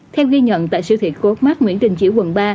theo ghi nhận tại siêu thị co op mart nguyễn đình chỉu quận ba